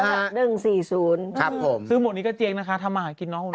แล้วก็หนึ่งสี่ศูนย์ครับผมซึ่งหมดนี้ก็เจ๊งนะคะถ้ามาหากินน้อง